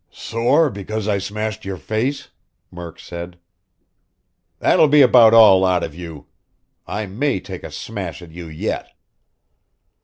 "Sore because I smashed your face!" Murk said. "That'll be about all out of you! I may take a smash at you yet!"